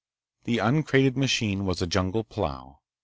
The uncrated machine was a jungle plow.